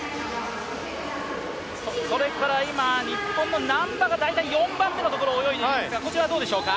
それから今、日本の難波が大体４番目のところを泳いでいますが、こちらはどうでしょうか？